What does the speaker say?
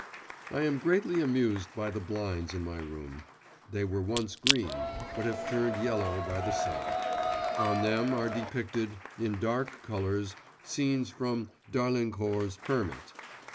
I am greatly amused by the blinds in my room. They were once green, but have been turned yellow by the sun; on them are depicted, in dark colours, scenes from d'Arlencourt's Hermit.